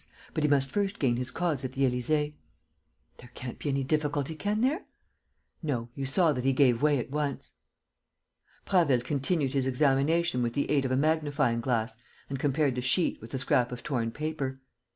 But he must first gain his cause at the Élysée." "There can't be any difficulty, can there?" "No. You saw that he gave way at once." Prasville continued his examination with the aid of a magnifying glass and compared the sheet with the scrap of torn paper.